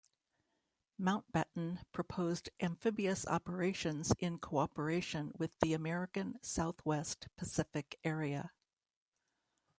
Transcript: Mountbatten proposed amphibious operations in cooperation with the American South West Pacific Area.